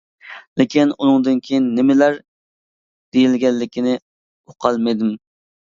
لېكىن، ئۇنىڭدىن كېيىن نېمىلەر دېيىلگەنلىكىنى ئۇقالمىدىم.